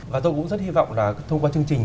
và tôi cũng rất hy vọng là thông qua chương trình